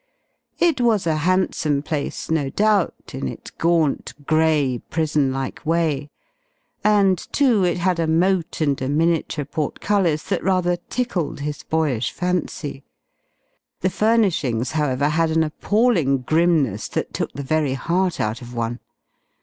It was a handsome place, no doubt, in its gaunt, gray, prisonlike way. And, too, it had a moat and a miniature portcullis that rather tickled his boyish fancy. The furnishings, however, had an appalling grimness that took the very heart out of one.